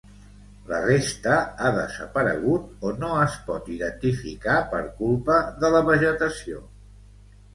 La resta ha desaparegut o no es pot identificar per culpa de la vegetació.